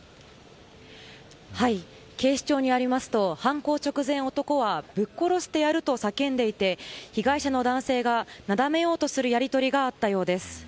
警視庁によりますと犯行直前、男はぶっ殺してやると叫んでいて被害者の男性がなだめようとするやり取りがあったようです。